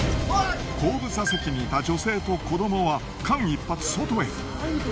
後部座席にいた女性と子どもは間一髪外へ。